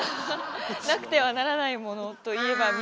なくてはならないものといえば水？